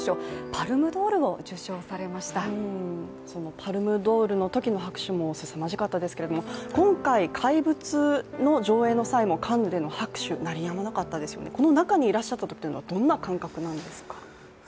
パルム・ドールのときの拍手もすさまじかったですけども今回、「怪物」の上映の際もカンヌでの拍手鳴り止まなかったですよね、この中にいらっしゃったときってどんな感覚なんですか。